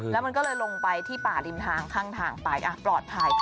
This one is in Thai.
แล้วมันก็เลยที่ป่าดินทางข้างทางไปอ่ะปลอดภัย